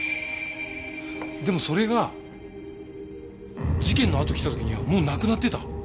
でもそれが事件のあと来た時にはもうなくなってた。